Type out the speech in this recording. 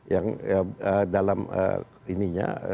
yang dalam ininya